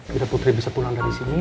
bila putri bisa pulang dari sini ya